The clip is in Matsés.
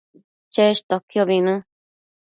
cheshtoquiobi në